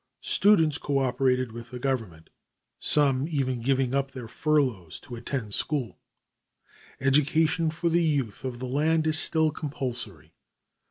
Students co operated with the Government, some even giving up their furloughs to attend school. Education for the youth of the land is still compulsory.